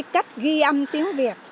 cách ghi âm tiếng việt